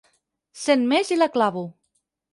Cent més i la clavo.